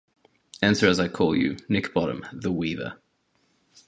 Answer as I call you. Nick Bottom, the weaver.